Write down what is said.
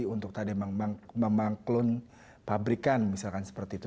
untuk tadi memangklun pabrikan misalkan seperti itu